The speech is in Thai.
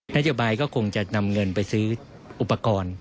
นโยบายก็คงจะนำเงินไปซื้ออุปกรณ์